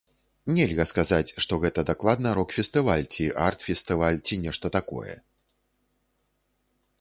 Нельга сказаць, што гэта дакладна рок-фестываль, ці арт-фестываль ці нешта такое.